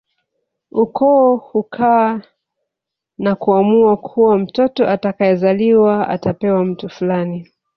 Ukoo hukaa na kuamua kuwa mtoto atakayezaliwa atapewa mtu fulani